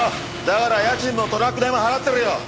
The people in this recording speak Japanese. だから家賃もトラック代も払ってるよ。